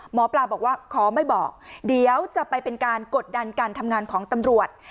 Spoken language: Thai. หมอปลาบอกว่าขอไม่บอกเดี๋ยวจะไปเป็นการกดดันการทำงานของตำรวจ